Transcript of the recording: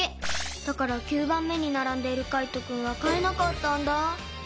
だから９ばんめにならんでいるカイトくんはかえなかったんだ。